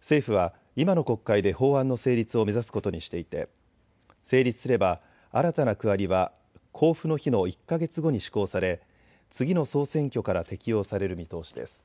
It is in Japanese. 政府は今の国会で法案の成立を目指すことにしていて、成立すれば新たな区割りは公布の日の１か月後に施行され次の総選挙から適用される見通しです。